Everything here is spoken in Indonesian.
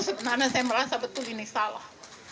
karena saya merasa betul ini salah